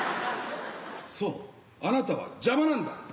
そうあなたは邪魔なんだ。